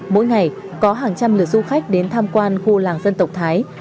mỗi ngày có hàng trăm lượt du khách đến tham quan khu làng dân tộc thái